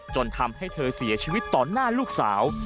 จนทำให้เธอเสียชีวิตต่อหน้าลูกสาว